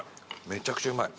めちゃくちゃうまい。